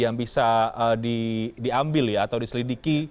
yang bisa diambil ya atau diselidiki